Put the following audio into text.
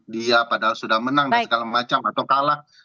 dia padahal sudah menang dan segala macam atau kalah